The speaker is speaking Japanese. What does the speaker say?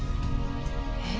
え？